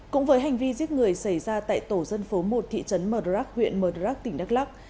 cũng với hành vi giết người xảy ra tại tổ dân phố một thị trấn mờ rắc huyện mờ rắc tỉnh đắk lắc